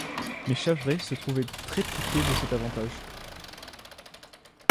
Mais Charvet se trouvait très-piqué de cet avantage.